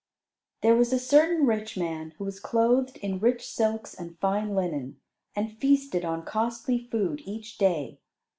There was a certain rich man who was clothed in rich silks and fine linen, and feasted on costly food each day.